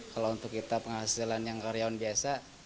kalau untuk kita penghasilan yang karyawan biasa